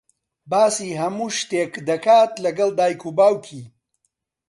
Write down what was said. باسی هەموو شتێک دەکات لەگەڵ دایک و باوکی.